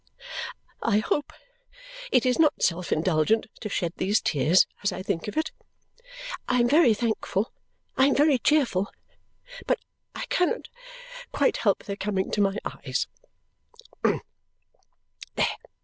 I hope it is not self indulgent to shed these tears as I think of it. I am very thankful, I am very cheerful, but I cannot quite help their coming to my eyes.